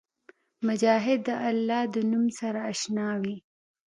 مجاهد د الله د نوم سره اشنا وي.